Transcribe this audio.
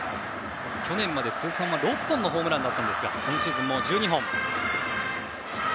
去年までは通算６本のホームランでしたが今シーズン、もう１２本。